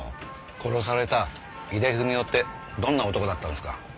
殺された井出文雄ってどんな男だったんですか？